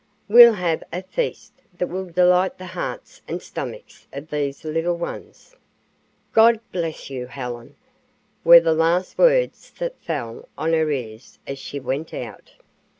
We'll have a feast that will delight the hearts and stomachs of these little ones." "God bless you, Helen," were the last words that fell on her ears as she went out.